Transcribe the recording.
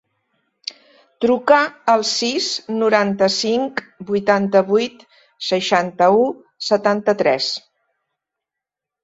Truca al sis, noranta-cinc, vuitanta-vuit, seixanta-u, setanta-tres.